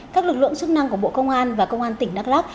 các lực lượng chức năng của bộ công an và công an tỉnh đắk lắc